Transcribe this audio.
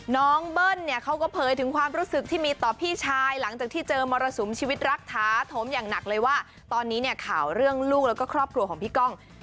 เบิ้ลเนี่ยเขาก็เผยถึงความรู้สึกที่มีต่อพี่ชายหลังจากที่เจอมรสุมชีวิตรักท้าโถมอย่างหนักเลยว่าตอนนี้เนี่ยข่าวเรื่องลูกแล้วก็ครอบครัวของพี่ก้อง